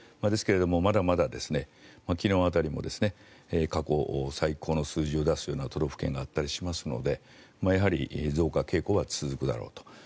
ですが、まだまだ昨日辺りも過去最高の数字を出すような都道府県があったりしますのでやはり増加傾向は続くだろうと。